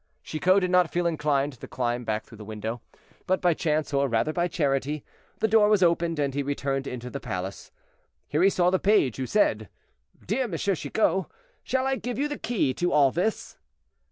Chicot did not feel inclined to climb back through the window: but by chance, or rather by charity, the door was opened, and he returned into the palace. Here he saw the page, who said, "Dear M. Chicot, shall I give you the key to all this?"